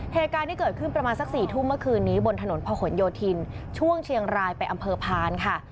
เหตุการณ์ที่เกิดขึ้นประมาณสัก๔ทุ่มเมื่อคืนนี้บนถนนพะหนโยธินช่วงเชียงรายไปอำเภอพานค่ะ